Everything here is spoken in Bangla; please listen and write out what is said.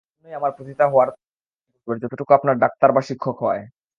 এইজন্যই আমার পতিতা হওয়ায় ততোটাই গর্বের, যতটুকু আপনার ডাক্তার বা শিক্ষক হওয়ায়।